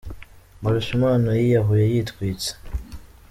Mbarushimana yiyahuye yitwitse